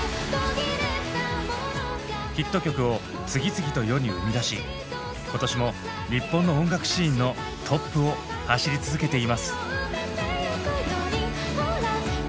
ヒット曲を次々と世に生み出し今年も日本の音楽シーンのトップを走り続けています。